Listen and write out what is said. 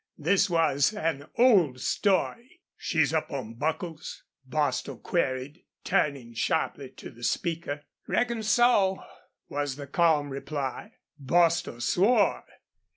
This was an old story. "She's up on Buckles?" Bostil queried, turning sharply to the speaker. "Reckon so," was the calm reply. Bostil swore.